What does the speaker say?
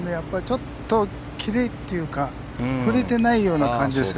ちょっとキレというか振れてないような感じです。